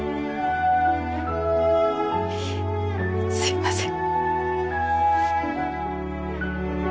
すいません。